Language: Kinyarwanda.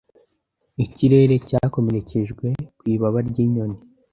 Ikirere cyakomerekejwe ku ibaba ryinyoni